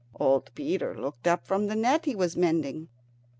Old Peter looked up from the net he was mending.